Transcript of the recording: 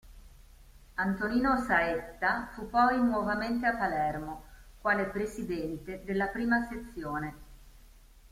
Antonino Saetta fu poi nuovamente a Palermo, quale Presidente della I sez.